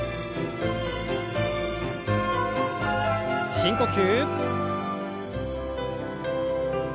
深呼吸。